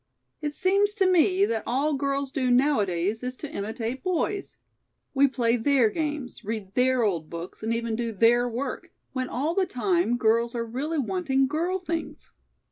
"It seems to me that all girls do nowadays is to imitate boys. We play their games, read their old books and even do their work, when all the time girls are really wanting girl things.